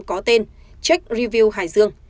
có tên check review hải dương